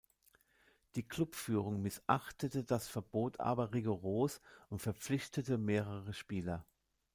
Die Klubführung missachtete das Verbot aber rigoros und verpflichtete mehrere Spieler.